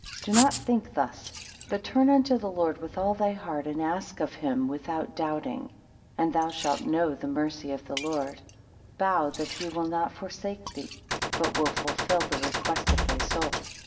2 Do not think thus, but turn unto the Lord with all thy heart, and ask of him without doubting, and thou shalt know the mercy of the Lord; bow that he will not forsake thee, but will fulfil the request of thy soul.